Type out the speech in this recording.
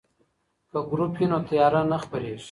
که ګروپ وي نو تیاره نه خپریږي.